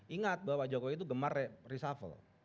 ingat bahwa jokowi itu gemar reshuffle